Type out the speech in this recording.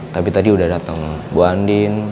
tapi tadi udah datang bu andin